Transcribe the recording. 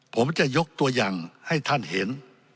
ผมจะยกตัวอย่างให้ท่านเห็น